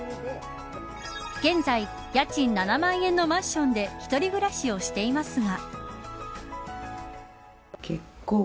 現在、家賃７万円のマンションで一人暮らしをしていますが。